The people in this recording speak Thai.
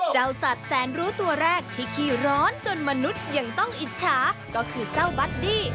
เจ้าสัตว์แสนรู้ตัวแรกที่ขี้ร้อนจนมนุษย์ยังต้องอิจฉาก็คือเจ้าบัดดี้